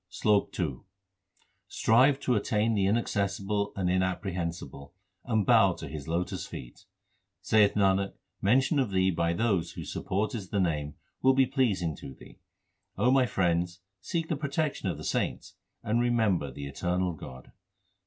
SLOK II Strive to attain the Inaccessible and Inapprehensible, and bow to His lotus feet. Saith Nanak, mention of Thee by those whose support is the Name, will be pleasing to Thee. O my friends, seek the protection of the saints and remember the eternal God.